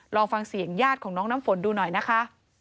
ลองฟังเสียงญาติของน้องน้ำฝนดูหน่อยนะคะ